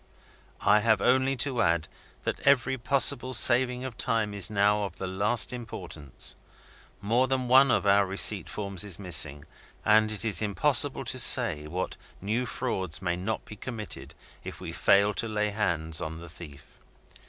"I have only to add that every possible saving of time is now of the last importance. More than one of our receipt forms is missing and it is impossible to say what new frauds may not be committed if we fail to lay our hands on the thief.